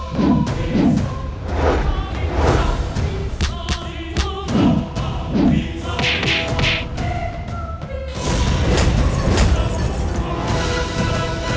kita mau pergi kemana